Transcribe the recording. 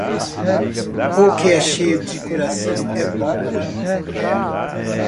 O que é cheio de coração, é bom para a boca.